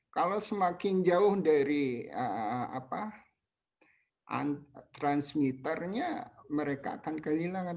kalau semakin jauh dari transmitternya mereka akan kehilangan